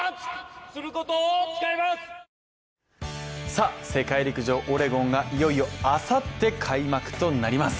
ＪＴさあ、世界陸上オレゴンがいよいよあさって開幕となります。